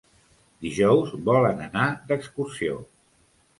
Dijous volen anar d'excursió.